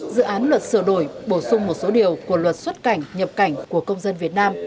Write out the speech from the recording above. dự án luật sửa đổi bổ sung một số điều của luật xuất cảnh nhập cảnh của công dân việt nam